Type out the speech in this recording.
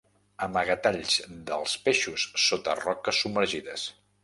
Amagatalls dels peixos sota roques submergides.